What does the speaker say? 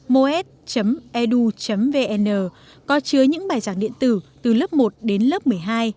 bộ giáo dục và đào tạo có tên là bộ giáo dục và đào tạo